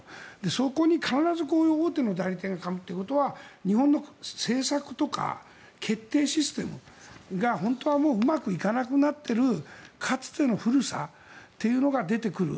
そこに必ず大手の代理店がかむということは日本の政策とか決定システムが本当はもううまくいかなくなっているかつての古さというのが出てくる。